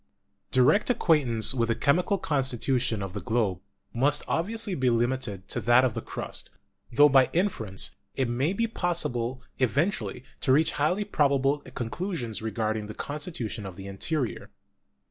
Direct acquaintance with the chemical constitution of the globe must obviously be limited to that of the crust, tho by inference it may be possible eventually to reach highly probable conclusions regarding the constitution of the interior.